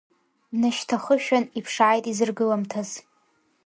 Днашьҭахышәан иԥшааит изыргыламҭаз.